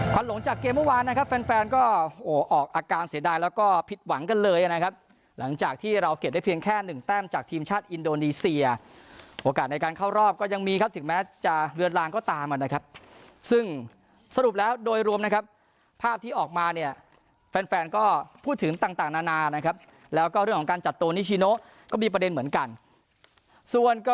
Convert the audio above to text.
ความหลงจากเกมเมื่อวานนะครับแฟนแฟนก็ออกอาการเสียดายแล้วก็ผิดหวังกันเลยนะครับหลังจากที่เราเก็บได้เพียงแค่หนึ่งแต้มจากทีมชาติอินโดนีเซียโอกาสในการเข้ารอบก็ยังมีครับถึงแม้จะเรือนลางก็ตามอ่ะนะครับซึ่งสรุปแล้วโดยรวมนะครับภาพที่ออกมาเนี่ยแฟนแฟนก็พูดถึงต่างต่างนานานะครับแล้วก